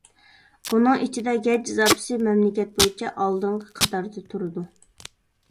ئۇنىڭ ئىچىدە گەج زاپىسى مەملىكەت بويىچە ئالدىنقى قاتاردا تۇرىدۇ.